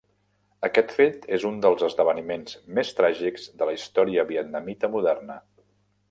Aquest fet és un dels esdeveniments més tràgics de la història vietnamita moderna.